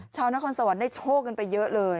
ชาวนครสวรรค์ได้โชคกันไปเยอะเลย